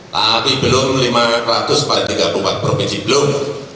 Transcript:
tapi belum lima ratus empat ratus tiga puluh empat perpenci belum